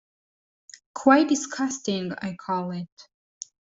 Quite disgusting, I call it.